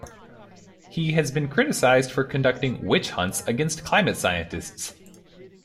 He has been criticized for conducting "witch hunts" against climate scientists.